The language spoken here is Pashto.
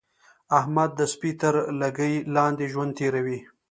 احمد د سپي تر لګۍ لاندې ژوند تېروي.